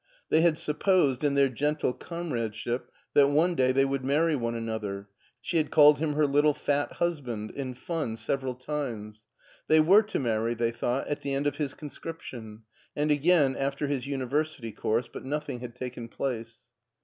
They had supposed, in their gentle comradeship, that one day they would marry one another ; she had called him her little fat husband in fun several times. They were to marry, they thought, at the end of his con scription ; and again, after his university course, but nothing had taken place.